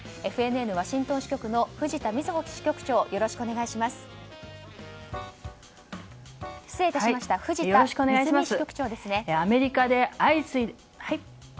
ＦＮＮワシントン支局の藤田水美支部長よろしくお願いします。